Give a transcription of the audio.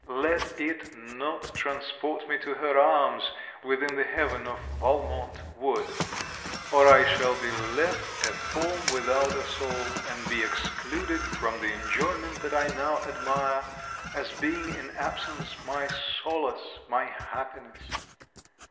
Let it not transport me to her arms, within the heaven of Valmont wood! or I shall be left a form without a soul; and be excluded from the enjoyment that I now admire, as being in absence my solace, my happiness.